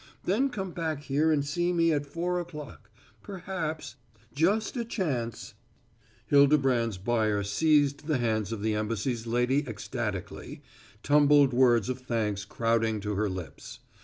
Then come back here and see me at four o'clock. Perhaps just a chance " Hildebrand's buyer seized the hands of the embassy's lady ecstatically, tumbled words of thanks crowding to her lips.